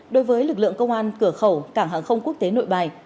đối với lực lượng công an cửa khẩu cảng hàng không quốc tế nội bài